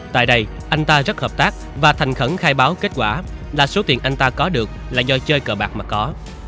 tại đây anh ta rất hợp tác và thành khẩn khai báo kết quả là số tiền anh ta có được là do chơi cờ bạc mà có